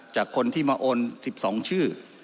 จากคนที่มาโอน๑๒ชื่อ